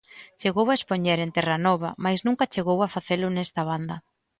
Chegou a expoñer en Terranova, mais nunca chegou a facelo nesta banda.